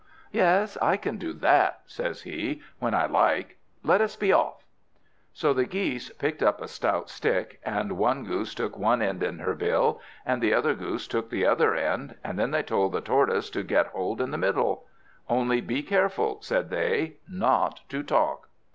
"Yes, I can do that," says he, "when I like. Let us be off." So the Geese picked up a stout stick, and one Goose took one end in her bill and the other Goose took the other end, and then they told the Tortoise to get hold in the middle; "only be careful," said they, "not to talk."